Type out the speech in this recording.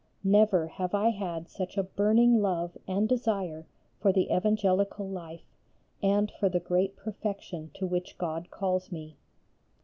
Never have I had such a burning love and desire for the evangelical life and for the great perfection to which God calls me.